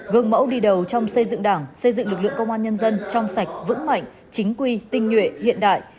gương mẫu đi đầu trong xây dựng đảng xây dựng lực lượng công an nhân dân trong sạch vững mạnh chính quy tinh nhuệ hiện đại